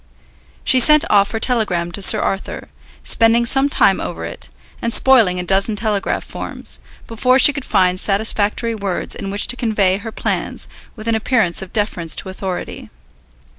She sent off her telegram to Sir Arthur, spending some time over it, and spoiling a dozen telegraph forms, before she could find satisfactory words in which to convey her plans with an appearance of deference to authority.